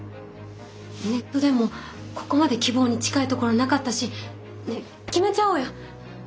ネットでもここまで希望に近いところなかったしねっ決めちゃおうよ。